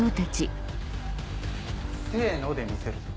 「せの」で見せるぞ。